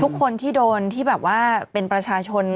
ทุกคนที่โดนที่แบบว่าเป็นประชาชน